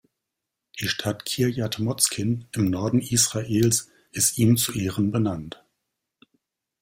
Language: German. Die Stadt Kirjat Motzkin im Norden Israels ist ihm zu Ehren benannt.